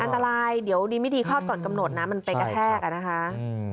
อันตรายเดี๋ยวดีไม่ดีคลอดก่อนกำหนดนะมันไปกระแทกอ่ะนะคะ